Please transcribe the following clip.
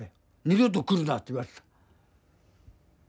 「二度と来るな」って言われた。